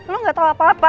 lo gak tau apa apa